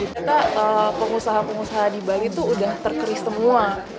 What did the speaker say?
ternyata pengusaha pengusaha di bali itu udah terkeris semua